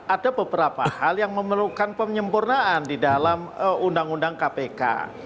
ada beberapa hal yang memerlukan penyempurnaan di dalam undang undang kpk